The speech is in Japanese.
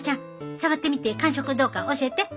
触ってみて感触はどうか教えて。